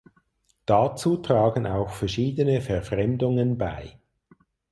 Dazu tragen auch verschiedene Verfremdungen bei.